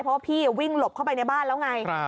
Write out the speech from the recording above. เพราะว่าพี่วิ่งหลบเข้าไปในบ้านแล้วไง